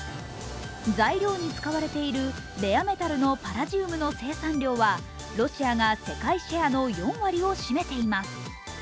材料に使われているレアメタルのパラジウムの生産量はロシアが世界シェアの４割を占めています。